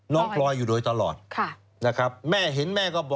น้องพลอยอยู่โดยตลอดนะครับ